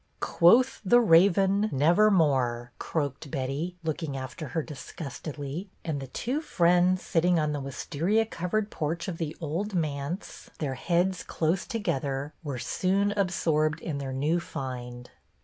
"' Quoth the Raven, " Nevermore," '" croaked Betty, looking after her disgustedly ; and the two friends, sitting on the wistaria covered porch of the old manse, their heads close together, were soon absorbed in their new find.